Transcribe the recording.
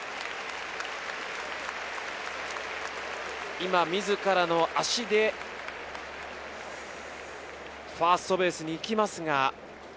今自らの足でファーストベースに行きますが。